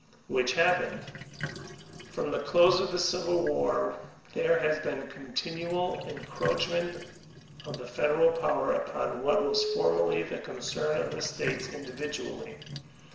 Which happened. From the close of the Civil War on, there has been continuous encroachment of the federal power upon what was formerly the concern of the States in dividually.